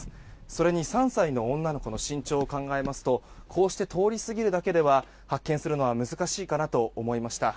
それに３歳の女の子の身長を考えますとこうして通り過ぎるだけでは発見するのは難しいかなと思いました。